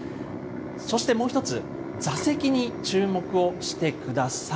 そしてもう一つ、座席に注目をしてください。